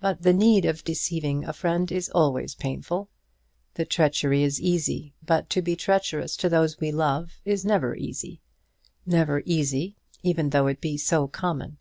But the need of deceiving a friend is always painful. The treachery is easy; but to be treacherous to those we love is never easy, never easy, even though it be so common.